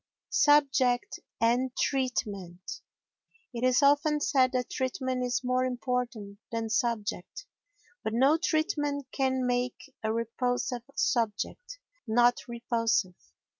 Subject and Treatment It is often said that treatment is more important than subject, but no treatment can make a repulsive subject not repulsive.